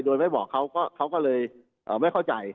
โดยไม่บอกเขาเขาก็เลยไม่เข้าใจ